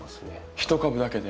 １株だけで？